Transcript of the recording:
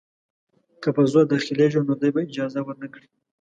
که په زور داخلیږي نو دی به اجازه ورنه کړي.